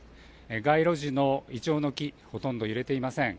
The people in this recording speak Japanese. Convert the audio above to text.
街路樹のイチョウの木、ほとんど揺れていません。